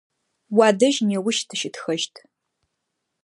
Уадэжь неущ тыщытхэщт.